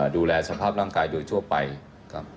ดูแลสภาพร่างกายโดยทั่วไปครับ